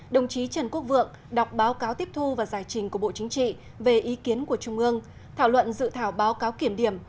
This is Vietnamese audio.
đồng chí trần quốc vượng đọc báo cáo tiếp thu và giải trình của bộ chính trị về ý kiến của trung ương thảo luận dự thảo báo cáo kiểm điểm